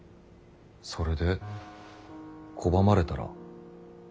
それで拒まれたら？